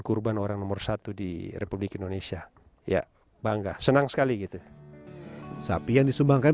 kurban orang nomor satu di republik indonesia ya bangga senang sekali gitu sapi yang disumbangkan